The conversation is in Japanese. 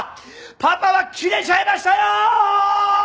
パパはキレちゃいましたよーーーーっ！